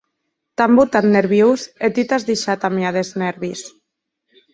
T’an botat nerviós e tu t’as deishat amiar des nèrvis.